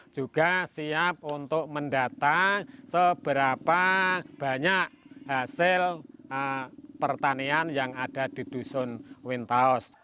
juga siap untuk mendata seberapa banyak hasil pertanian yang ada di dusun wintaos